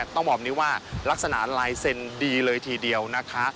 ต้องบอกแบบนี้ว่าลักษณะลายเซ็นต์ดีเลยทีเดียวนะคะ